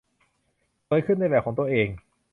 สวยขึ้นในแบบของตัวเอง